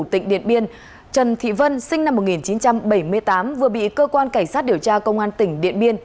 tỉnh điện biên trần thị vân sinh năm một nghìn chín trăm bảy mươi tám vừa bị cơ quan cảnh sát điều tra công an tỉnh điện biên